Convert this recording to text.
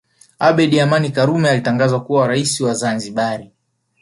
abedi amani karume alitangazwa kuwa rais wa zanzibar